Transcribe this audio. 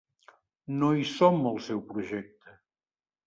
No hi som al seu projecte.